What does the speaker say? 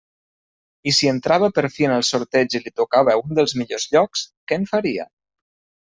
I si entrava per fi en el sorteig i li tocava un dels millors llocs, què en faria?